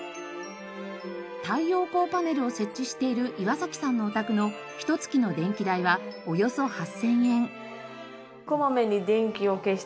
太陽光パネルを設置している岩崎さんのお宅のひと月の電気代はおよそ８０００円。